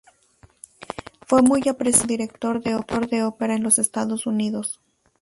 Fue muy apreciado como director de ópera en los Estados Unidos.